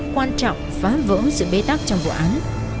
quan trọng phá vỡ sự bê tắc trong vụ án